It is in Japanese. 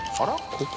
ここ？